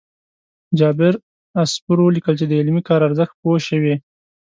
جابر عصفور ولیکل چې د علمي کار ارزښت پوه شوي.